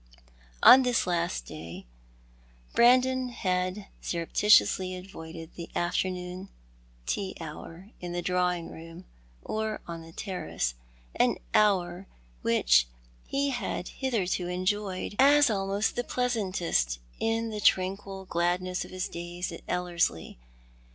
On this last day, Brandon had scrupulously avoided the afternoon tea hour in the drawing room or on the terrace, an hour which he had hitherto enjoyed as almost the plcasantest in the tranquil gladness of his days at Ellerslie.